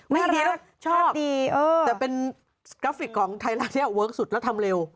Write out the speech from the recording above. ชอบดีแต่เป็นกราฟิกของไทยรัฐที่เวิร์คสุดแล้วทำเร็ว